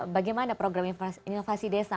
bagaimana program inovasi desa